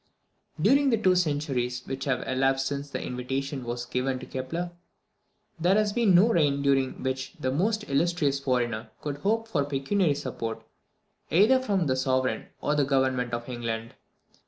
During the two centuries which have elapsed since this invitation was given to Kepler, there has been no reign during which the most illustrious foreigner could hope for pecuniary support, either from the Sovereign or the Government of England.